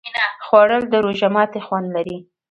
خوړل د روژه ماتي خوند لري